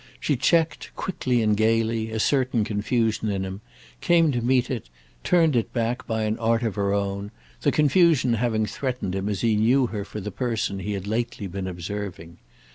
She checked, quickly and gaily, a certain confusion in him, came to meet it, turned it back, by an art of her own; the confusion having threatened him as he knew her for the person he had lately been observing.